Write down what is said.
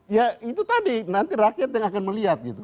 ya itu tadi nanti rakyat yang akan melihat gitu